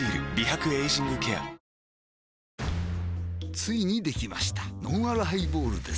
ついにできましたのんあるハイボールです